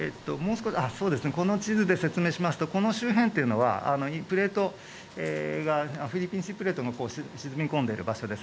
この地図で説明しますとこの周辺というのはフィリピンプレートが沈み込んでいるところです。